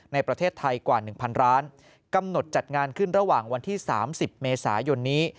ในประเทศไทยกว่า๑๐๐ร้านกำหนดจัดงานขึ้นระหว่างวันที่๓๐เมษายนนี้